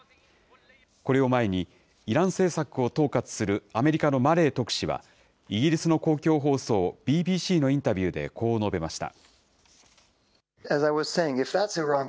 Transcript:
これを前に、イラン政策を統括するアメリカのマレー特使はイギリスの公共放送、ＢＢＣのインタビューでこう述べました。